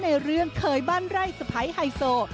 ในเรื่องเคยบ้านไร่สะพ้ายไฮโซ